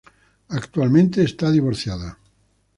Actualmente es divorciada.